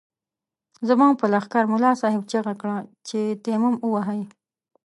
زموږ په لښکر ملا صاحب چيغه کړه چې تيمم ووهئ.